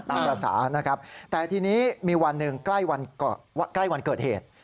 ภาษานะครับแต่ทีนี้มีวันหนึ่งใกล้วันเกิดเหตุ